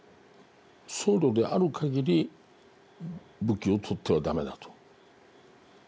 僧侶であるかぎり武器を取っては駄目だと。